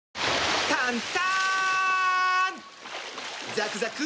ザクザク！